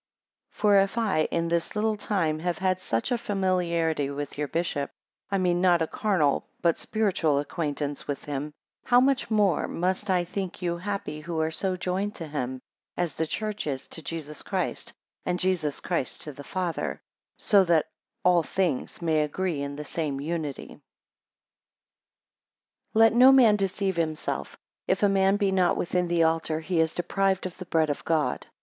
FOR if I in this little time have had such a familiarity with your bishop, I mean not a carnal, but spiritual acquaintance with him; how much more must I think you happy who are so joined to him, as the church is to Jesus Christ, and Jesus Christ to the Father; so that all things may agree in the same unity. 2 Let no man deceive himself; if a man be not within the altar, he is deprived of the bread of God.